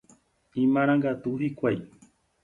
Imarangatu hikuái.